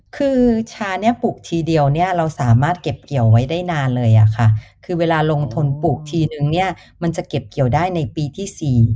คือชานี้ปลูกทีเดียวเนี่ยเราสามารถเก็บเกี่ยวไว้ได้นานเลยค่ะคือเวลาลงทุนปลูกทีนึงเนี่ยมันจะเก็บเกี่ยวได้ในปีที่๔